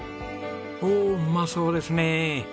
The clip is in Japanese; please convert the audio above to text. おおっうまそうですね。